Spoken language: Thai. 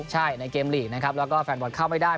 ใช่ในเกมลีกแล้วก็แฟนบอลเข้าไปได้